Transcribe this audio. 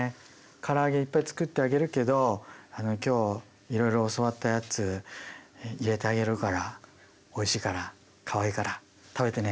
から揚げいっぱい作ってあげるけど今日いろいろ教わったやつ入れてあげるからおいしいからかわいいから食べてね。